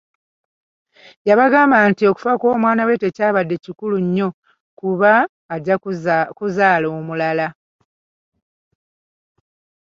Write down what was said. Yabagamba nti okufa kw'omwana we tekyabadde kikulu nnyo kuba ajja kuzaala omulala.